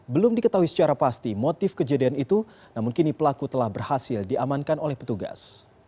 belum diketahui secara pasti motif kejadian itu namun kini pelaku telah berhasil diamankan oleh petugas